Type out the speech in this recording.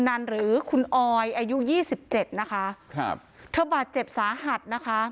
นั่นหรือคุณออยอายุยี่สิบเจ็ดนะคะครับเธอบาดเจ็บสาหัสนะคะ